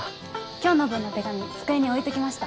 今日の分の手紙机に置いときました。